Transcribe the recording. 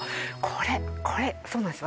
これこれそうなんです